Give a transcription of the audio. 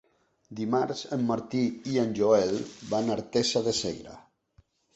Dimarts en Martí i en Joel van a Artesa de Segre.